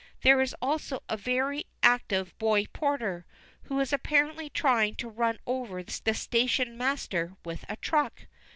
There is also a very active boy porter, who is apparently trying to run over the station master with a truck.